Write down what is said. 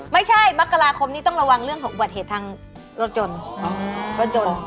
ไม่ใช่มักราคมต้องระวังเรื่องอุบัติเถอะิ่งทางรถยนต์